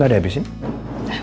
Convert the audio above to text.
gak ada habis ini